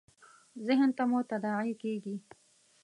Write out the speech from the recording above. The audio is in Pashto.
ذهن ته مو تداعي کېږي .